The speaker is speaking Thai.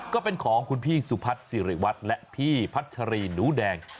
ก็เป็นของคุณพี่สุพัฒน์สิริวัตรและพี่พัชรีหนูแดง